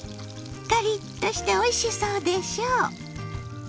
カリッとしておいしそうでしょ！